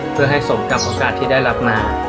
เพื่อให้สมกับโอกาสที่ได้รับมา